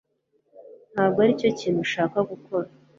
ntabwo aricyo kintu nshaka gukora